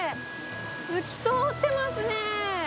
透き通ってますね。